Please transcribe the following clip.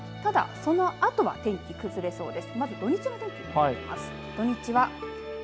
ただ、そのあとは天気、崩れそうです。